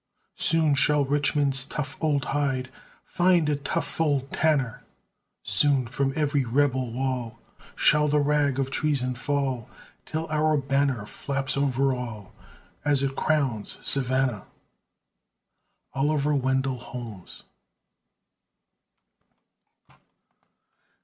Soon shall Richmond's tough old hide Find a tough old tanner! Soon from every rebel wall Shall the rag of treason fall, Till our banner flaps o'er all As it crowns Savannah! OLIVER WENDELL HOLMES.